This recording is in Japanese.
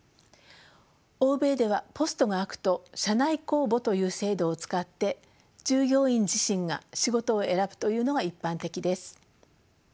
欧米ではポストが空くと社内公募という制度を使って従業員自身が仕事を選ぶというのが一般的です。